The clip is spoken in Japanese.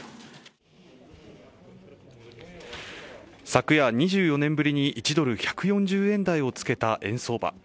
昨夜２４年ぶりに１ドル＝１４０円台をつけた円相場